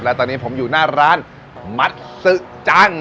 และตอนนี้ผมอยู่หน้าร้านมัดสึกจัง